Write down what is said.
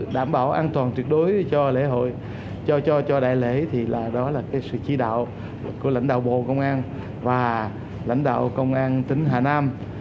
đảm bảo an toàn tuyệt đối cho lễ hội cho đại lễ thì là đó là sự chỉ đạo của lãnh đạo bộ công an và lãnh đạo công an tỉnh hà nam